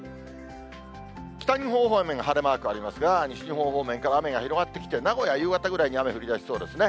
北日本方面、晴れマークありますが、西日本方面から雨が広がってきて、名古屋は夕方ぐらいに雨降りだしそうですね。